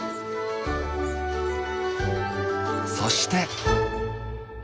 そして。